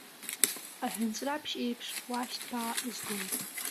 Аҳәынҵәраԥшь еиԥш, уаашьҭԥаа узгоит!